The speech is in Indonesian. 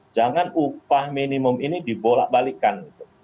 jangan upah minimum ini dibolak balikan